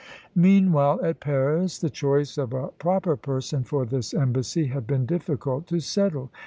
Meanwhile, at Paris, the choice of a proper person for this embassy had been difficult to settle.